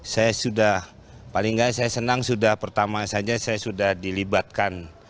saya sudah paling nggak saya senang sudah pertama saja saya sudah dilibatkan